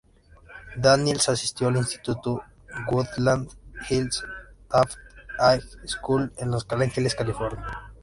Daniels asistió al instituto "Woodland Hills Taft High School" en Los Ángeles, California.